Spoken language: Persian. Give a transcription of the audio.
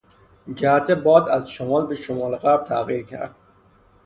جهت باد از شمال به شمال غرب تغییر کرد.